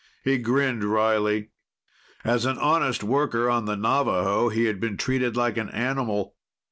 He grinned wryly. As an honest worker on the Navaho he'd been treated like an animal.